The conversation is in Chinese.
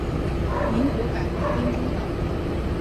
民国改为滇中道。